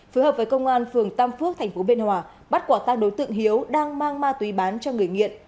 phối hợp với công an phường tam phước tp biên hòa bắt quả tang đối tượng hiếu đang mang ma túy bán cho người nghiện